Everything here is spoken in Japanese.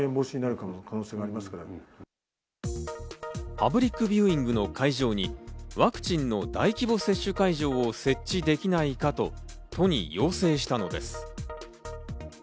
パブリックビューイングの会場にワクチンの大規模接種会場を設置できないかと都に要請したのです。